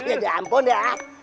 ya diampun dah